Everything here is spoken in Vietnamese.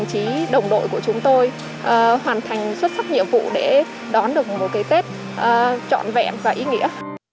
chí đồng đội của chúng tôi hoàn thành xuất sắc nhiệm vụ để đón được một cái tết trọn vẹn và ý nghĩa